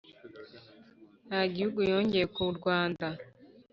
nta gihugu yongeye ku rwanda.